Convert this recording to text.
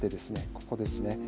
ここですね